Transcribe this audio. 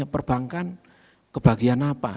perbankan kebagian apa